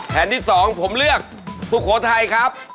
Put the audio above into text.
แผ่นที่๒ผมเลือกสุโขทัยครับ